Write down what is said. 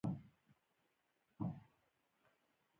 د کوکو او قهوې کروندګرو له سپین پوستو سره سیالي نه کوله.